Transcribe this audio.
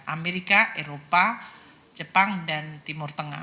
amerika eropa jepang dan timur tengah